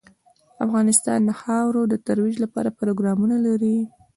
افغانستان د خاوره د ترویج لپاره پروګرامونه لري.